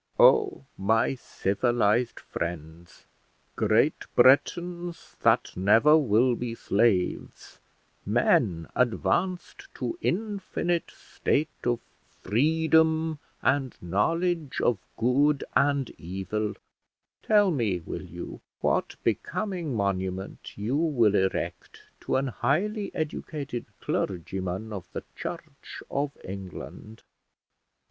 Oh, my civilised friends! great Britons that never will be slaves, men advanced to infinite state of freedom and knowledge of good and evil; tell me, will you, what becoming monument you will erect to an highly educated clergyman of the Church of England?